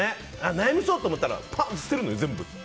悩みそうと思ったらパンって全部捨てるのよ。